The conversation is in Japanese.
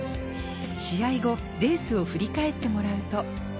試合後、レースを振り返ってもらうと。